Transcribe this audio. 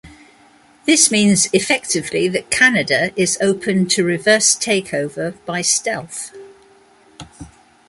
This means effectively, that Canada is open to reverse takeover by stealth.